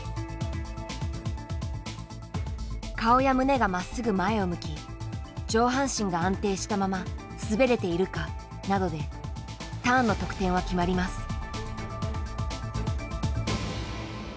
顔や胸がまっすぐ前を向き上半身が安定したまま滑れているかなどでターンの得点は決まります。